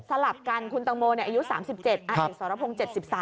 ลับกันคุณตังโมอายุ๓๗อาเอกสรพงศ์๗๓